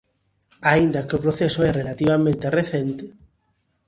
Aínda que o proceso é relativamente recente.